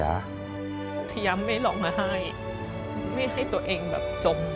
พยายามไม่ร้องไห้ไม่ให้ตัวเองแบบจม